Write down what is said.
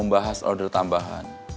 membahas order tambahan